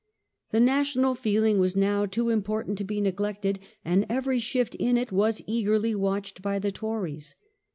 The national feeling was now too important to be neglected, and every shift in it was eagerly watched by the Tories.